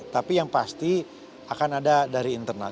tapi yang pasti akan ada dari internal